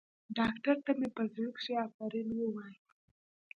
ډاکتر ته مې په زړه کښې افرين ووايه.